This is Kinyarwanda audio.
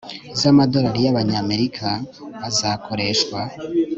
z amadolari y abanyamerika azakoreshwa